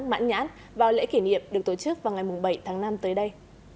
mãn nhãn vào lễ kỷ niệm được tổ chức vào ngày bảy tháng năm tới đây